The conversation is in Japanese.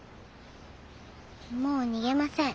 もう逃げません。